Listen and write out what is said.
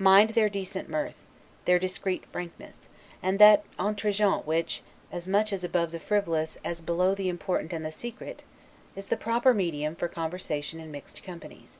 Mind their decent mirth, their discreet frankness, and that 'entregent' which, as much above the frivolous as below the important and the secret, is the proper medium for conversation in mixed companies.